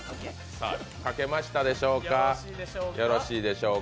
さあ、書けましたでしょうか。